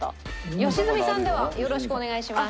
吉住さんではよろしくお願いします。